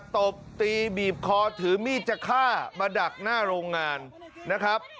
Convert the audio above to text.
ตบตีบีบคอถือมีดจะฆ่ามาดักหน้าโรงงานนะครับ